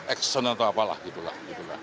action atau apalah gitu lah